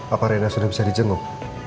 apa rina sudah bisa di jenguk